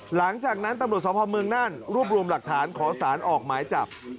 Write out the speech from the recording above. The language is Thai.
หลังจากนั้นตำรวจสภาพเมืองน่านรวบรวมหลักฐานขอสารออกหมายจับ